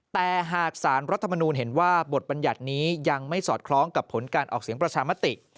แต่หากสารรัฐมนูลเห็นว่าบทบรรยัตินี้ยังไม่สอดคล้องกับผลการออกเสียงประชามติ